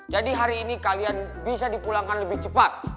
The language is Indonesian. jadi hari ini kalian bisa dipulangkan lebih cepat